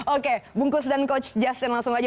oke bungkus dan coach justin langsung aja